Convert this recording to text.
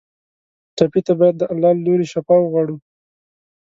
ټپي ته باید د الله له لورې شفا وغواړو.